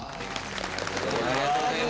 ありがとうございます。